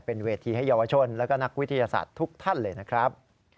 เป็นเวทีให้เยาวชนและนักวิทยาศาสตร์ทุกท่านเลยนะครับ